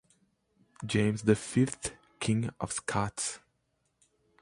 James the Fifth King of Scots.